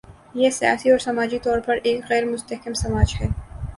یہ سیاسی اور سماجی طور پر ایک غیر مستحکم سماج ہے۔